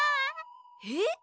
えっ？